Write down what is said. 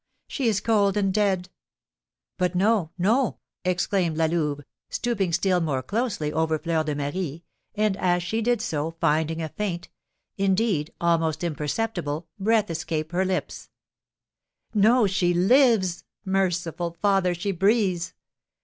She is cold and dead. But, no, no!" exclaimed La Louve, stooping still more closely over Fleur de Marie, and, as she did so, finding a faint indeed, almost imperceptible breath escape her lips; "no, she lives! Merciful Father, she breathes!